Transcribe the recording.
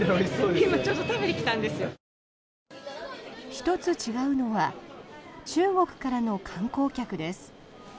１つ違うのは中国からの観光客です。